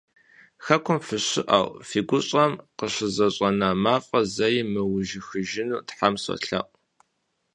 Хэкум фыщыӏэу, фи гущӏэм къыщызэщӏэна мафӏэр зэи мыужьыхыжыну Тхьэм солъэӏу!